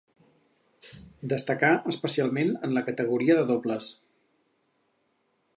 Destacà especialment en la categoria de dobles.